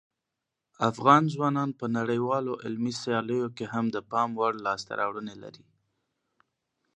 افغان ځوانان په نړیوالو علمي سیالیو کې هم د پام وړ لاسته راوړنې لري.